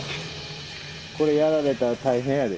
これやられたら大変やで。